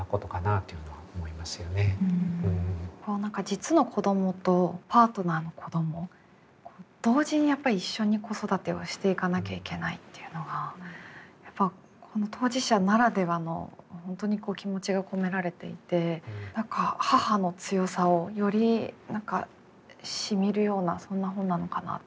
実の子供とパートナーの子供同時にやっぱり一緒に子育てはしていかなきゃいけないっていうのがやっぱ当事者ならではの本当に気持ちが込められていて何か母の強さをより何かしみるようなそんな本なのかなと思いました。